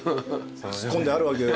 突っ込んであるわけよ